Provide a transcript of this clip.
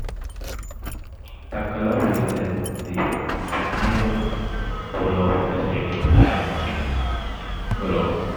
The club uses the Panayot Volov Stadium as its home ground.